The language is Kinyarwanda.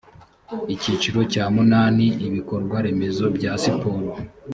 icyiciro cya munani ibikorwaremezo bya siporo